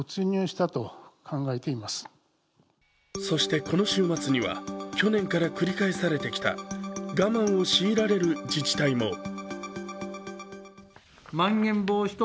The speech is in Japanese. そしてこの週末には、去年から繰り返されてきた我慢を強いられる自治体も。